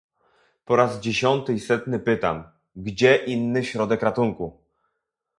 "Po raz dziesiąty i setny pytam: gdzie inny środek ratunku?"